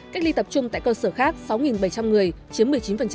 cách ly tập trung tại cơ sở khác sáu bảy trăm linh người chiếm một mươi chín